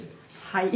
はい。